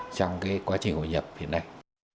trong quá trình hội nhập hiện nay